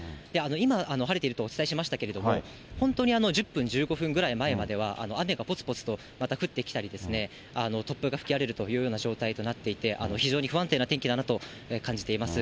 今、晴れているとお伝えしましたけれども、本当に１０分、１５分ぐらい前までは、雨がぽつぽつとまた降ってきたり、突風が吹き荒れるというような状態になっていて、非常に不安定な天気だなと感じています。